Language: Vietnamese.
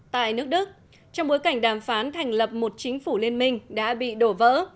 tại nước đức trong bối cảnh đàm phán thành lập một chính phủ liên minh đã bị đổ vỡ